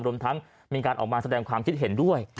รวมทั้งมีการออกมาแสดงความคิดเห็นด้วย